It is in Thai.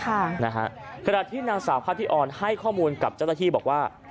ขณะกระดาษที่นางสาวพระทิออนให้ข้อมูลกับเจ้าหน้าที่บอกว่า